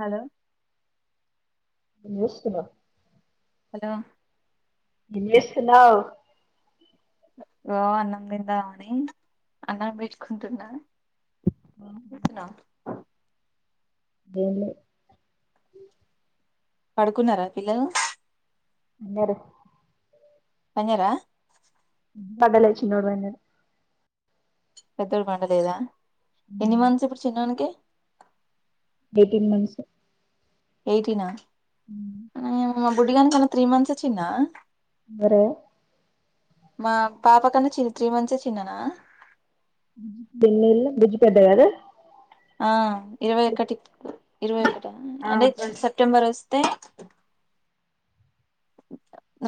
Hello విన్పిస్తుందా hello ఎంచేస్తున్నావ్ ఓ అన్నం తిందామని అన్నం పెట్టుకుంటున్నా స్తున్నావ్ ఏం లేదు పడుకున్నారా పిల్లలు ఉన్నరు తిన్నరా బడతెచ్చి నూర్వండి [unintelligible] పెద్దోడు పండ లేదా ఎన్ని మంత్స్ ఇప్పుడు చిన్నోనికి ఎయిటీన్ మంత్స్ ఎయిటీనా మ్ మ బుడ్డిగానికి కన్నా త్రీ మంత్స్ చిన్నా ఎవరు మా పాప కన్నా త్రీ మంత్సే చిన్ననా ముడు నెల్లు బుజ్జి పెద్ద కదు ఆ ఇరవై ఒకటి ఇరవై ఒకటి అంటే స ప్టెంబర్ వస్తే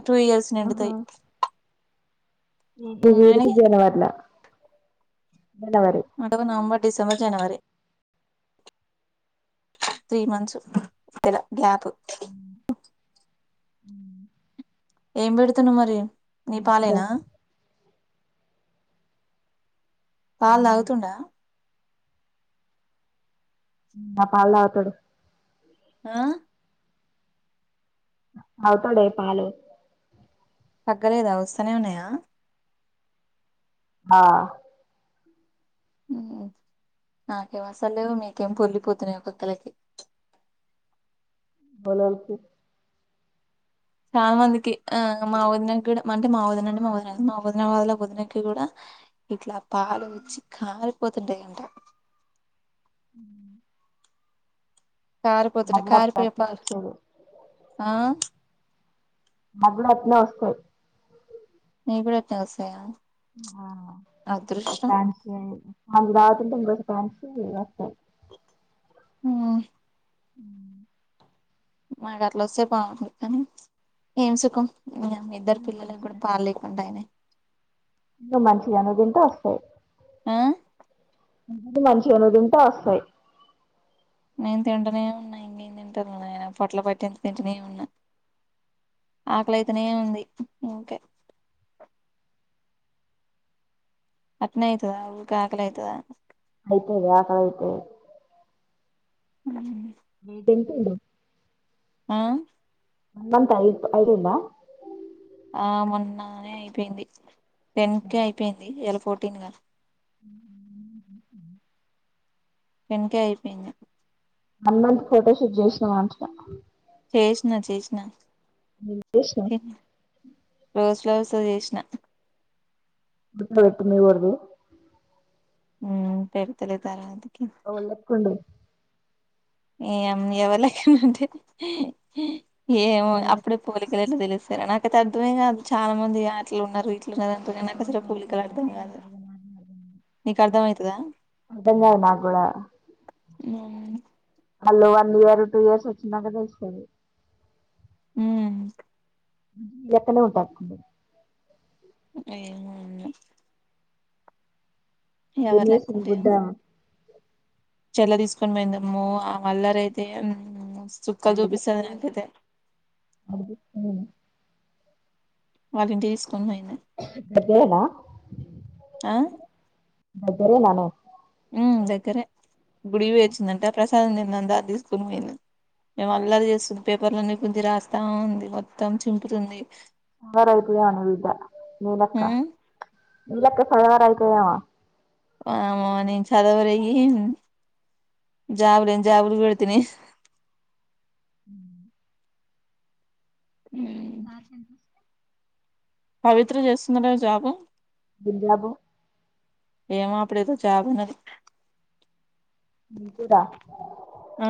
టూ ఇయర్స్ నిండుతాయి వీడిది ఆయనకి జనవరిలా జనవరి అ నవంబర్ డిసెబర్ జనవరి త్రీ మంత్స్ పెల గ్యాప్ ఉ మ్ ఏం పెడుతున్నావ్ మరి నీ మంచిదా పాలేనా పాలు తాగుతుండా నా పాలు తాగుతాడు ఆ తాగుతాడే పాలు తగ్గలేదా వస్తానే ఉన్నాయా ఆ మ్ నాకేం అస్తలేవు మీకేం పొంగిపోతున్నాయి ఒక్కోక్కలికి ఏవ్వలేవలకు చాలా మందికి ఆ మా వదినకి కూడా అంటే మా వదిన అంటే మా వదిన కాద్ మా వదిన వాళ్ళ వదినకి కూడా ఇట్లా పాలు వచ్చి కారిపోతుంటాయి అంట ఉ కారిపోతుంట అమ్మ కారిపోయే అట్లేనే పాలు వచ్చేది ఆ మాక్కుడ అట్లే వస్తాయి నిక్కుడ అట్లే వస్తాయ ఆ ఫ్యాంసీవి అవి రాకుంటే ఇంకో ఫ్యాంసీవి వస్తాయి మ్ మ్ మాకు అట్ల వస్తే బాగుంది కానీ ఏం సుఖం ని యమ్మ ఇద్దరు పిల్లలకు కూడా మంచిగా పాలు లేకుంట ఆయినై నువ్ మంచిగ అన్ని తింటే వస్తాయి ఆ అ మంచిగానే తింటే వస్తాయి నేను తింటనే ఉన్నాయి ఇంకే తింటారు నాయన పొట్ల పట్టెంత తింటనే ఉన్నా ఆకలైతేనే ఉంది ఉకే అట్నే అయితదా ఊకే అకలైతదా అయితది అకలి అయితది మ్ హు మీటి ఎంతంట ఆ వన్ మంత్ అ ఐతుంద ఆ మొన్ననే అయిపోయింది టెన్ కే అయిపోయింది ఇయలా ఫోర్టీన్ గా [inaudible] టెన్కే అయిపోయింది వన్ మంత్ ఫోటోషూట్ చేసినవా అంటున్న చేసిన చేసిన నిలిపేసినం. రోజ్ ఫ్లవర్స్ తో చేసిన. ఎట్లుంది అక్క మీ వరకు. ఉ పెడతాలే తర్వాతకి. అవ్వ లెక్కుండి. ఏం ఎవరిలకంటే ఏమో అవును అప్పుడు. పోలికలు ఎట్లా తెలిలుస్తారా నాక అతే అర్థమే కాదు చాలా మంది అట్లు ఉన్నారు ఇట్లు ఉన్నార. తనకసరా పులికలు అంటారు అర్థమే అట్నే కాదు. అంటారు కానీ నాకేం అర్థం కాదు అర్ధం అయితదా ఉ. అర్థం కాదు నాకు కూడా వాళ్ళు వన్ ఇయర్ టూ ఇయర్స్ వచ్చినాక తెలుస్తుంది. ఉ. ఎట్లనో ఉండాల్సింది. అయ్యో. ఇగ ఎవరి బినేశన్ లెక్కుంటే ఏం గుడ్డ. చెల్ల తీసుకొని పోయిందమ్మో ఆమె అల్లరి అయితే. అ [inaudible] అ వాళ్ళంటి తీసుకొని పోయింది. దగ్గరేనా ఆ దగ్గరేననే. ఉమ్ దగ్గరే గుడివి వచ్చిందంటే ప్రసాదం నిన్నంతా తీసుకొని పోయింది. మేము అల్లరి చేస్తుంది పేపర్లనే కొంచెం రాస్తాముంది మొత్తం చింపుతుంది. సవార అవుతుదేవ నవిద్ద నీలక్క ఉమ్ నీలక్క సయవార అవుతుదేవ. ఓయమ్మ నేన్ చదవలేను జాబర్న్ జాబర్ బళ్తని. ఉ ఉమ్. స [unintelligible] పవిత్ర చేస్తున్నారా జాబ్. బింద్యాబు. ఏమప్పుడే జాబ్ అన్నది. ఏం కూర ఆ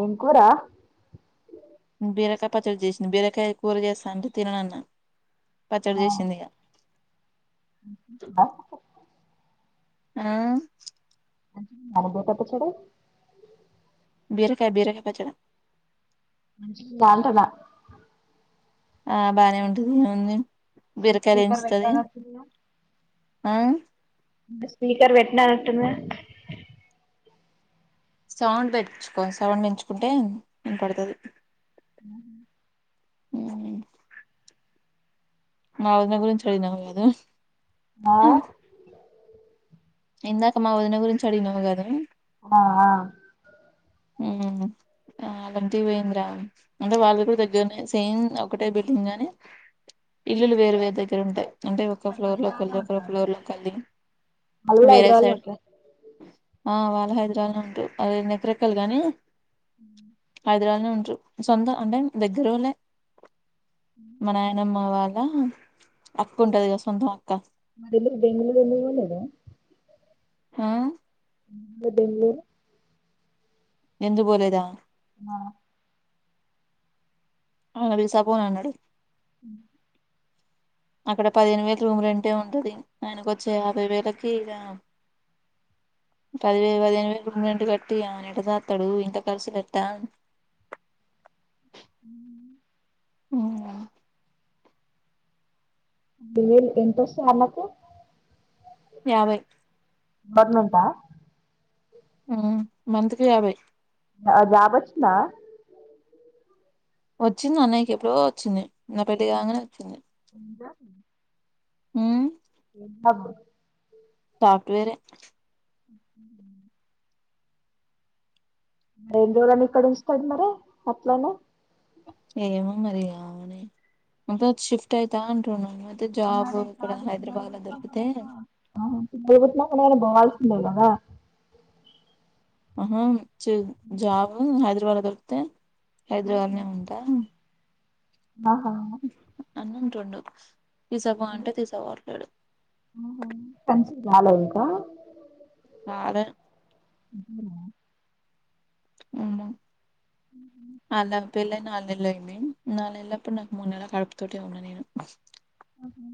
ఏం కూరా. బీరకాయ పచ్చడి చేసింది బీరకాయ కూర చేస్తా అంటే తినను అన్న పచ్చడి చేసింది ఇక. బ. ఆ. పారిజాత పచ్చడే. బీరకాయ బీరకాయ పచ్చడా. మంచి బాగుంటుందా. ఆ బాగానే ఉంటది ఏముంది బీరకాయ తెంచుతది ఆ. స్పీకర్ పెట్నట్టుమ్ది. సౌండ్ పెంచుకో సౌండ్ పెంచుకుంటే వినపడ్తది. అవు. హ. మా వదిన గురించి అడిగినావు కదా. ఆ. ఇందాక మా వదిన గురించి అడిగినావు కదా. అ ఆ. హ. ఆ గంటి పోయింద్రా అంటే వాళ్ళు కూడా దగ్గరనే సేమ్ ఒకటే బిల్డింగ్ గాని ఇల్లులు వేరు వేరు దగ్గరుంటాయి అంటే ఒక ఫ్లోర్లో హైదరాబాద్లో ఒకలదీ ఒక ఉంటరా ఆళ్ళు ఫ్లోర్లో ఒకలదీ వాళ్ళు కూడా వేరే హైదరాబాద్లో సైడ్ ఉంటరా ఆ వాళ్ళు హైదరాబాద్లోనే ఉంటరు వాళ్లది నకిరేకల్ గాని ఉంటారు సొంత అంటే దగ్గరలోనే మా నాయనమ్మ వాళ్ళ అక్క ఉంటది గా సొంతం అక్క [unintelligible] ఆ [inaudible] ఎందుకు పోలేదా ఆ అయన తీసుకపోనన్నాడు హ్మ్ [inaudible] అక్కడ పదిహేను వేలు రూమ్ రెంటే ఉంటది ఆయనకు వచ్చే యాభై వేలకి ఇగ [unintelligible] పదివేలు పదిహేను వేలు రూమ్ రెంట్ కట్టి ఆమెనెట సాదతడు ఇంత ఖర్చులెట ఉ హ్మ్ దివెల్ ఎంతొస్తాయ్ అన్నకు యాభై గవర్నమెంటా హ్మ్ మంత్కి యాభై జాబొచ్చిందా వచ్చింది అన్నయ్యకి ఎప్పుడో వచ్చింది నా పెళ్లి కాగానే వచ్చింది ఇంకా హ్మ్ [unintelligible] సాఫ్ట్ వేరే అ మరి ఎనిరోజులని ఇక్కడ ఉంచుతడు మరి అట్లానే ఏమో మరి ఆమెనే షిఫ్ట్ అయితా అంటుండు మరి జాబ్ ఇక్కడ హైదరాబాద్ లో దొరికితే [unintelligible] బోవాల్సిందే కదా ఆహా జాబ్ హైదరాబాద్లో దొరికితే హైదరాబాద్నే ఉంటా ఆహా అన్నంటుండు తీసకపో అంటే తీసా పోట్లేడు ఆహా కన్సీవ్ కాలే ఇంకా కాలే అ అవునా మ్మ్ హు ఆళ్ళ పెళ్ళయి నాలుగు నెల్లయింది నాలు నెల్లప్పుడు నాకు మూడు నెల కడుపు తోటే ఉన్నా నేను ఆహా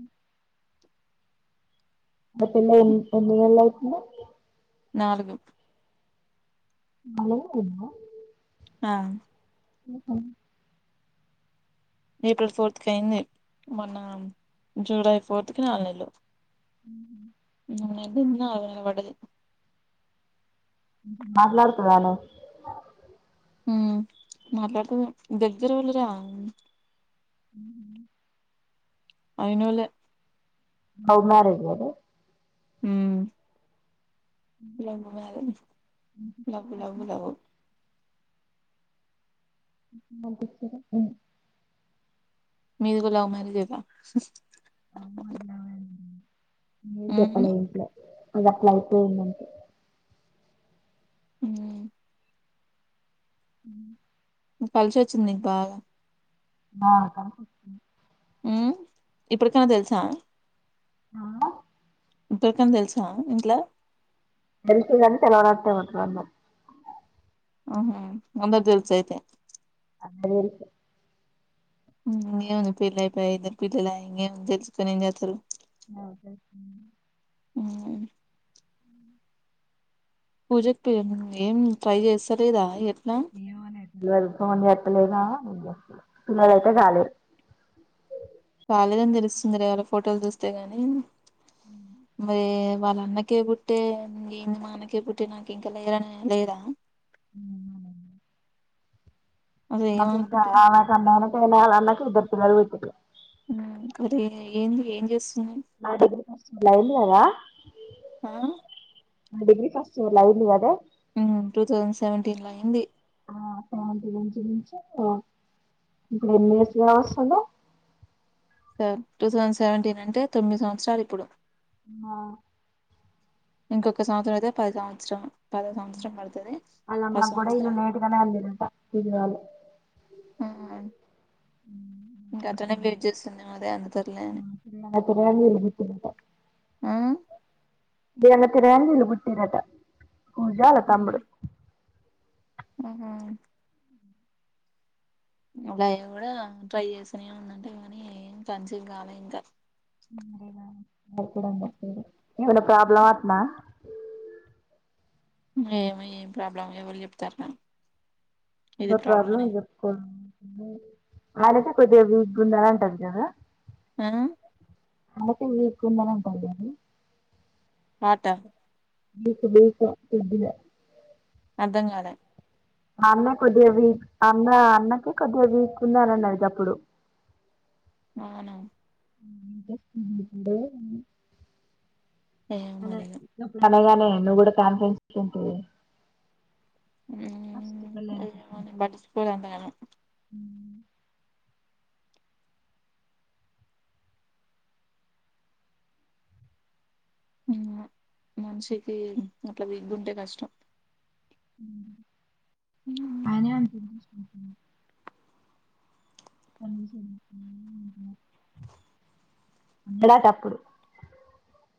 మీ పెళ్ళయి ఎన్ని నెల్లలైతుంది నాలుగు [inaudible] ఆ హలో ఏప్రిల్ ఫోర్త్ కి అయింది మొన్న జూలై ఫోర్త్ కి నాలుగు నెలలు ఉమ్ ఇదింద అ పడుదు మాట్లాడతదానే ఊ మాట్లాడుతది దగ్గర వెళ్ళిరా ఉ అయినోల్లె లవ్ మ్యారేజ్ గదే ఊ love wow love love love మా దగ్గర ఊ మీది గూడా లవ్ మ్యారజేనా ఏం ఉమ్ జెప్పలే ఇంట్లో అది అట్లా అయిపోయిందంతే ఊ ఊ కలిసోచ్చింది నీకు బాగా ఆ కలిసొచ్చింది ఊ ఇప్పుడుకన్నా తెలుసా ఆ ఇప్పుడుకన్నా తెలుసా ఇంట్లా తెలుసు కాని తెలవనట్టే ఉంటరు అందర్ ఊహు అందరిక్ తెలుసు అయితే అందరిక్ తెలుసు ఇంగేముంది పెళ్ళైపాయ్ ఇద్దరు పిల్లలు ఆయ్ ఇంగేముంది తెలుసుకొని ఏం జేత్తరు [inaudible] ఊ ఊ పూజక్కయ్య ఏం ట్రై జేస్తలేదా ఎట్లా [unintelligible] చెప్పలేదా నాదైతే కాలేదు కాలేదని తెలుస్తుంది రే ఆళ ఫోటోలు చూస్తే గాని మరి వాళ్ళ అన్నకి ఎపుడ్ ట్టే ఇంగేంది మనకే పుట్టినాక ఇంక లేరని లేదా ఊ అసలు [unintelligible] ఏమనుకుంటుంది వాళ్ళ అన్నకు ఇద్దరు పిల్లలు పుట్టిర్రు ఊ ఒరే ఏంది ఏం జేస్తున్నావ్ లైన్ గా రా ఆ ఆ డిగ్రీ ఫస్టు లైను గదే ఊ టూ థౌసండ్ సెవెంటీన్ ల అయింది ఇప్పుడు ఎన్ని ఇయర్స్ గావొస్తుంది స టూ థౌసండ్ సెవెంటీన్ అంటే తొమ్మిది సంవత్సరాలు ఇప్పుడు ఆ ఇంకొక సంవత్సరం అయితే పది సంవత్సరం పదవ సంవత్సరం పడుతది పది సంవత్సరాలు తిరగాలి ఉమ్ ఇంకా అట్లనె వెయిట్ చేస్తున్నాము అదే అందుతదిలే అని నాకు రాదు మాట ఆ తిరుగంగ తిరగంగా వీల్లు పుట్టిరట పూజ ఆల తమ్ముడు ఉమ్ హు ఇంగ ఇవ కూడా ట్రై చేస్తనే ఉందంట గానీ కన్సివ్ కాలే ఇంకా మారేనా ఏమన్న హ్మ్. ప్రాబ్లమ్అట్నా ఏమో ఏం ప్రాబ్లమో ఎవరు చెప్తరు నాకు ఇది ఉన్న ప్రాబ్లం అని చెప్పు ఆయనైతే కొద్దిగా వీక్గా ఉన్నది అంటాడు కదా ఆ అందుకే వీక్ గుందని అంటరు గని ఫ్యాట వీక్ వీక్ కొద్దిగా అర్థంగాలె ఆ అన్న కొద్దిగా వీక్ అన్న అన్నకు కొద్దిగా వీక్ ఉన్నదన్నడు గప్పుడు అవునా ఉమ్ ఏమో మరి ఇగ అనేగానే నువ్వు కూడా కాన్ఫెన్స్ ఉంటివి పస్టు పెళ్ళైన ఏమో కొత్తల నేను పట్టించుకోను అంతగనం ఉమ్ ఏమో మనిషికి అట్లా విక్గా ఉంటే కష్టం ఉమ్ ఉమ్ ఆయనే చూసు టప్పుడు